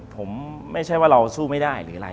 ผมไม่ใช่ว่าเราสู้ไม่ได้หรืออะไร